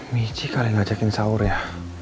mici kali yang ngajakin saur ya